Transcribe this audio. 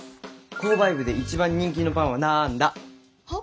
購買部で一番人気のパンはなんだ？は？